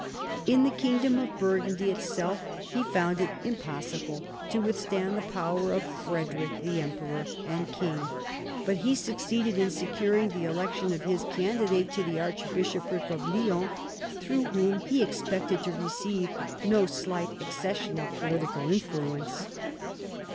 In the kingdom of Burgundy itself he found it impossible to withstand the power of Frederic, the emperor and king, but he succeeded in securing the election of his candidate to the archbishopric of Lyons, through whom he expected to receive no slight accession of political influence.